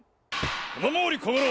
この毛利小五郎